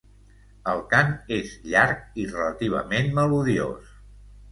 El cant és llarg i relativament melodiós.